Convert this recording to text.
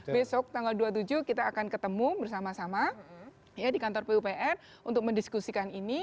besok tanggal dua puluh tujuh kita akan ketemu bersama sama di kantor pupr untuk mendiskusikan ini